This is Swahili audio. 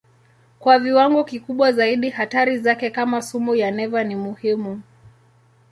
Kwa viwango kikubwa zaidi hatari zake kama sumu ya neva ni muhimu.